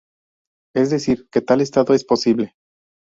Es decir, que tal estado es posible.